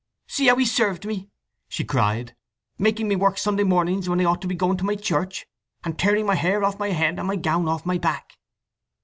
"See how he's served me!" she cried. "Making me work Sunday mornings when I ought to be going to my church, and tearing my hair off my head, and my gown off my back!"